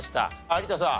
有田さん